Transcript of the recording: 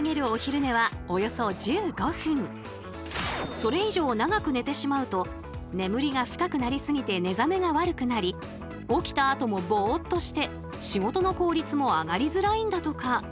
それ以上長く寝てしまうと眠りが深くなりすぎて寝覚めが悪くなり起きたあともボッとして仕事の効率も上がりづらいんだとか。